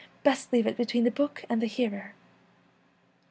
Best leave it between the book and the hearer.'